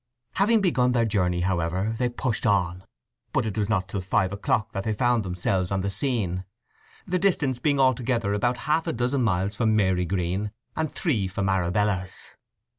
Having begun their journey, however, they pushed on; but it was not till five o'clock that they found themselves on the scene,—the distance being altogether about half a dozen miles from Marygreen, and three from Arabella's.